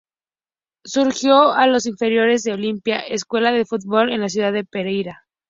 Surgido de las inferiores de Olimpia escuela de fútbol de la ciudad de Pereira.